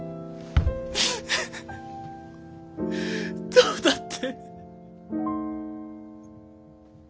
どうだって。